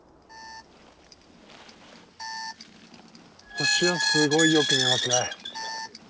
星はすごいよく見えますね。